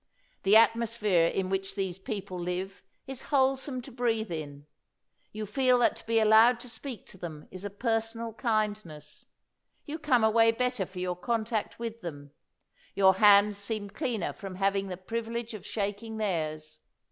The at mosphere in which these people live is whole some to breathe in; you feel that to be allowed to speak to them is a personal kindness; you come away better for your contact with them; your hands seem cleaner from having the privi 212 THACKERAY lege of shaking theirs.